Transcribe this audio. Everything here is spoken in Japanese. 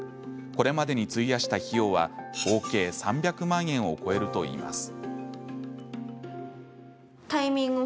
これまでに費やした費用は合計３００万円を超えるといいます。